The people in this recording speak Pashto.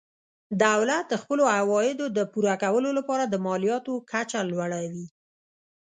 دولت د خپلو عوایدو د پوره کولو لپاره د مالیاتو کچه لوړوي.